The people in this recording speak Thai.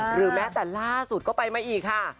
หรือแม้แต่ล่าสุดก็ไปมาอีกค่ะ